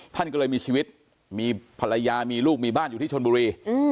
ท่านก็เลยมีชีวิตมีภรรยามีลูกมีบ้านอยู่ที่ชนบุรี